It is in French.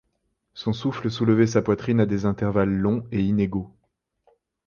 Son souffle soulevait sa poitrine à des intervalles longs et inégaux.